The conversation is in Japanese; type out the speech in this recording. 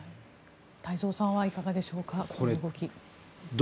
太蔵さんはいかがでしょうか、この動き。